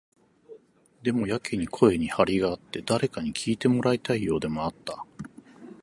でも、やけに声に張りがあって、誰かに聞いてもらいたいようでもあった。